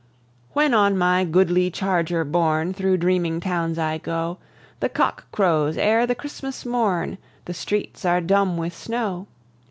When on my goodly charger borne Thro' dreaming towns I go, The cock crows ere the Christmas morn, The streets are dumb with snow.